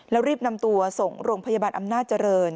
แล้วรีบนำตัวส่งโรงพยาบาลอำนาจเจริญ